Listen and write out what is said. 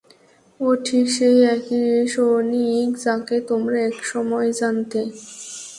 ও ঠিক সেই একই সনিক যাকে তোমরা একসময় জানতে।